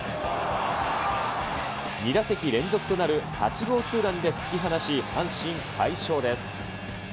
２打席連続となる８号ツーランで突き放し、阪神、快勝です。